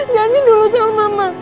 janji dulu sama mama